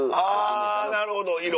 あぁなるほど色。